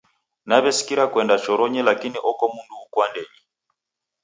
Naw'esikira kuenda choronyi lakini oko mundu uko andenyi